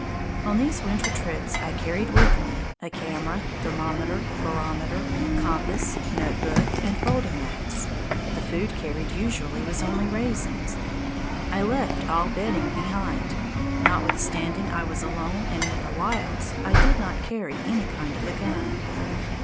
On these winter trips I carried with me a camera, thermometer, barometer, compass, notebook, and folding axe. The food carried usually was only raisins. I left all bedding behind. Notwithstanding I was alone and in the wilds, I did not carry any kind of a gun.